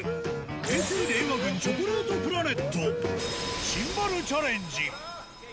平成・令和軍、チョコレートプラネット、シンバルチャレンジ。